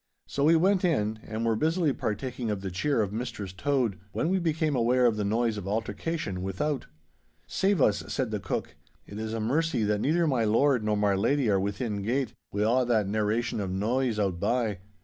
So we went in, and were busily partaking of the cheer of Mistress Tode when we became aware of the noise of altercation without. 'Save us,' said the cook, 'it is a mercy that neither my lord nor my lady are within gate, wi' a' that narration of noise outbye!